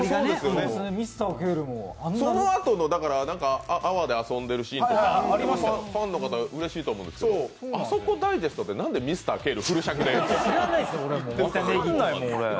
そのあとの泡で遊んでるシーンとかファンの方はうれしいと思うんですけど、あそこダイジェストで、なんでＭｒ．ケール、フル尺で。